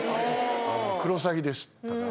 「クロサギ」でしたか